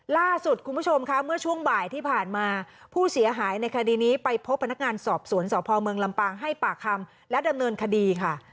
ล่าสุดคุณผู้ชมค่ะเมื่อช่วงบ่ายที่ผ่านมาผู้เสียหายในคดีนี้ไปพบพนักงานสอบสวนสพเมืองลำปางให้ปากคำและดำเนินคดีค่ะ